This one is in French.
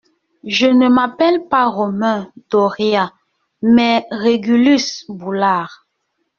Je ne m'appelle pas Romain Doria, mais Régulus Boulard.